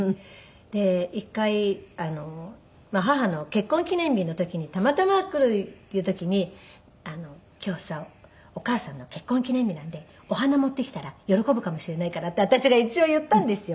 で一回まあ母の結婚記念日の時にたまたま来るっていう時に「今日さお母さんの結婚記念日なんでお花持ってきたら喜ぶかもしれないから」って私が一応言ったんですよ。